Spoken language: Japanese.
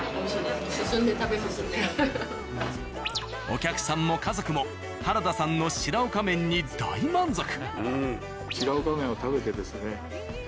お客さんも家族も原田さんのシラオカ麺に大満足。